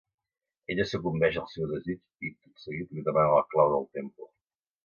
Ella sucumbeix al seu desig i, tot seguit, li demana la clau del temple.